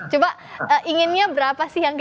coba inginnya berapa sih yang